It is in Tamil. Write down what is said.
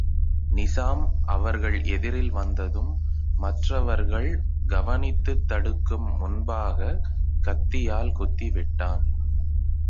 நிசாம் அவர்கள் எதிரில் வந்ததும், மற்றவர்கள் கவனித்துத் தடுக்கும் முன்பாகக் கத்தியால் குத்தி விட்டான்.